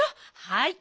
はい。